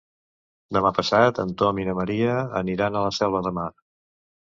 Demà passat en Tom i na Maria aniran a la Selva de Mar.